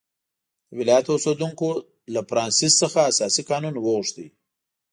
د ولایت اوسېدونکو له فرانسیس څخه اساسي قانون وغوښت.